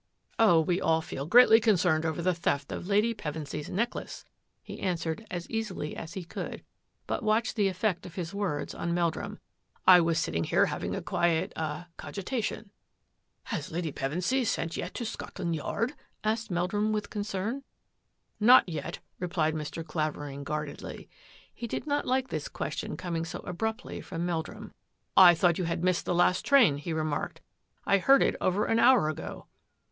" Oh, we all feel greatly concerned over th theft of Lady Pevensy's necklace," he answerec as easily as he could, but watched the effect of } words on Meldrum. " I was sitting here having quiet — ah — cogitation." " Has Lady Pevensy sent yet to Scotia Yard? " asked Meldrum with concern. " Not yet," replied Mr. Clavering guarded He did not like this question coming so abrup from Meldrum. " I thought you had missed \ last train," he remarked. " I heard it over hour ago."